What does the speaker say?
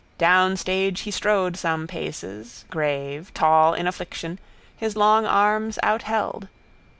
Down stage he strode some paces, grave, tall in affliction, his long arms outheld.